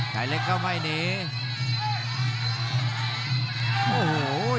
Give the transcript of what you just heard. ใครเล็กเข้าไม่หนี